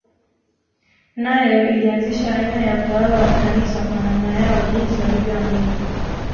Nayo ilianzisha aina ya utawala wa Kikanisa kwa namna yao jinsi walivyoamini